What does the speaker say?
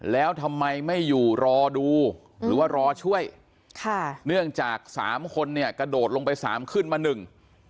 แล้วทำไมไม่อยู่รอดูหรือว่ารอช่วยค่ะเนื่องจากสามคนเนี่ยกระโดดลงไปสามขึ้นมาหนึ่ง